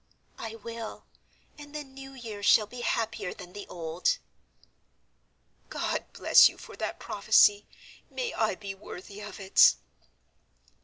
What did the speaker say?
"I will, and the new year shall be happier than the old." "God bless you for that prophecy; may I be worthy of it."